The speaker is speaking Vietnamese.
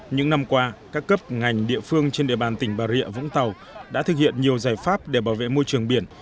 những năm qua các cấp ngành địa phương trên địa bàn tỉnh bà rịa vũng tàu đã thực hiện nhiều giải pháp để bảo vệ môi trường biển